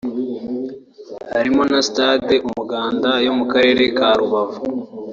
harimo na Stade Umuganda yo mu Karere ka Rubavu